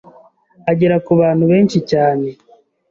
agera ku bantu benshi cyane ,